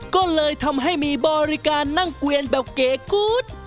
ก็เลยทำให้มีบริการนั่งเกวียนแบบเก๋กู๊ด